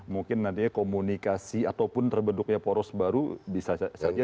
mungkin nantinya komunikasi ataupun terbentuknya poros baru bisa saja